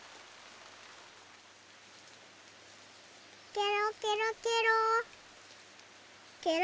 ケロケロケロケロ。